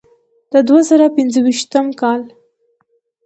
د دوه زره پنځويشتم کال